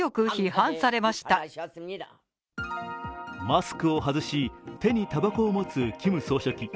マスクを外し手にたばこを持つキム総書記。